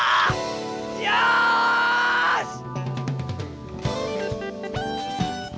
よし！